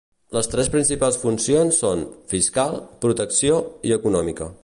Les tres principals funcions són: fiscal, protecció i econòmica.